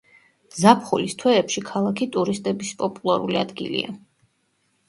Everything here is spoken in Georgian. ზაფხულის თვეებში ქალაქი ტურისტების პოპულარული ადგილია.